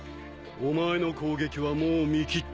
お前の攻撃はもう見切った。